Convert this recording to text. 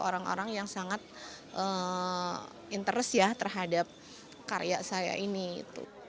orang orang yang sangat interest ya terhadap karya saya ini gitu